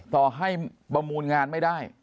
ต่อให้ประมูลงานไม่ได้